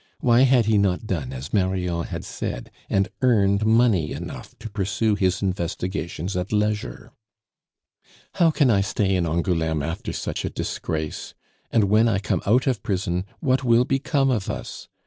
Why had he not done as Marion had said, and earned money enough to pursue his investigations at leisure? "How can I stay in Angouleme after such a disgrace? And when I come out of prison, what will become of us?